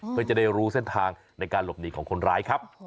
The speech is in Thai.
เพื่อจะได้รู้เส้นทางในการหลบหนีของคนร้ายครับ